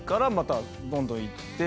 どんどん行って。